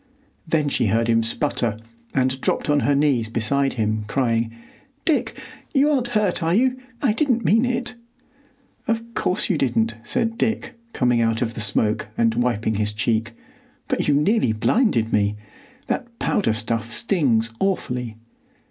Then she heard him sputter, and dropped on her knees beside him, crying, "Dick, you aren't hurt, are you? I didn't mean it." "Of course you didn't, said Dick, coming out of the smoke and wiping his cheek. "But you nearly blinded me. That powder stuff stings awfully."